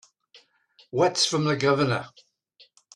What's from the Governor?